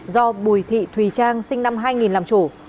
do bùi thị thùy trang sinh năm hai nghìn làm chủ